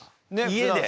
家で。